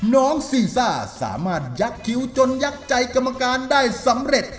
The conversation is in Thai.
น้องซีซ่าสามารถยักษ์คิ้วจนยักษ์ใจกรรมการได้สำเร็จ